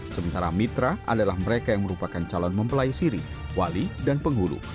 sementara mitra adalah mereka yang merupakan calon mempelai siri wali dan penghulu